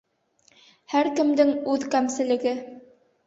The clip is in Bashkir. Һәр кемдең үҙ кәмселеге.